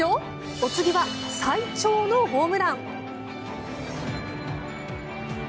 お次は最長のホームラン。